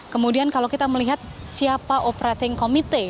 kemudian kalau kita melihat siapa operating committee